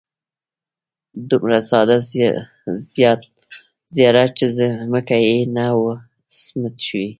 دومره ساده زیارت چې ځمکه یې هم نه وه سیمټ شوې.